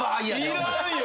いらんよ！